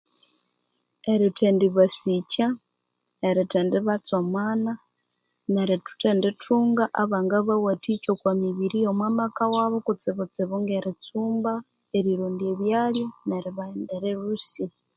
Erithendibasikya, Erithendibatsomana, nerithendi thunga abanga bawathikya emibiri eyomo maka wabo, kutsibutsibu ngeritsumba, ngerirondya ebyalya, neribaghendera elhusi.